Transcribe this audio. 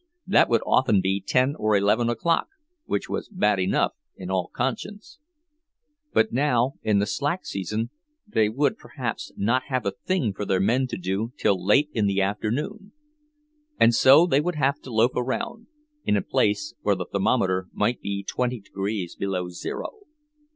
That would often be ten or eleven o'clock, which was bad enough, in all conscience; but now, in the slack season, they would perhaps not have a thing for their men to do till late in the afternoon. And so they would have to loaf around, in a place where the thermometer might be twenty degrees below zero!